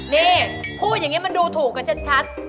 นี่พูดอย่างนี้มันดูถูกกันชัด